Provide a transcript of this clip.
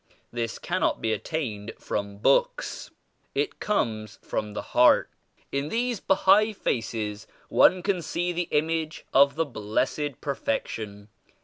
This cannot be attained from books. It comes from the heart. In these Bahai faces one can see the image of the Blessed Per fection.